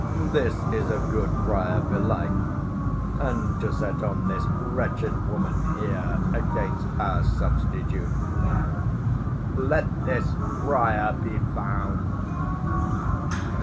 this's a good friar, belike! And to set on this wretched woman here Against our substitute! Let this friar be found.